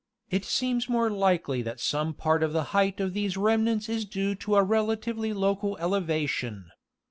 = 0B it seems more likely that some part of the height of these rem nants is due to a relatively local elevation.